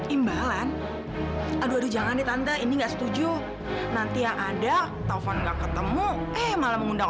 imbalan aduh jangan nih tante ini gak setuju nanti yang ada tovan gak ketemu eh malah mengundang orang lain ya